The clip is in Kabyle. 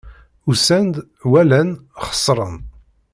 Usan-d, walan, xeṣren.